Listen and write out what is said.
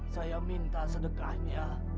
saya minta sedekahnya